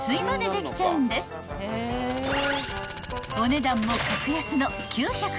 ［お値段も格安の］